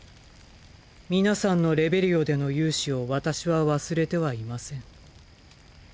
皆さんのレベリオでの勇姿を私は忘れてはいません。